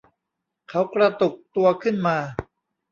เขากระตุกตัวขึ้นมา